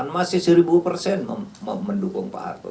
masih seribu persen mendukung pak harto